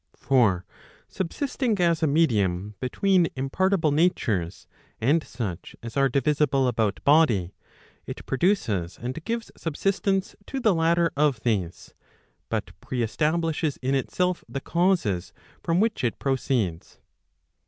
For subsisting as a medium between impartible natures, and such as are divisible about body, it produces and gives subsistence to the latter of these, but pre establishes in itself the causes from which it proceeds.